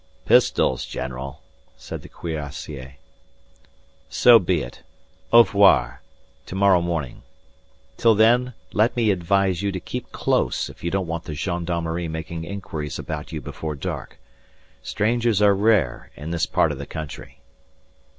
"Pistols, general," said the cuirassier. "So be it. Au revoir to morrow morning. Till then let me advise you to keep close if you don't want the gendarmerie making inquiries about you before dark. Strangers are rare in this part of the country."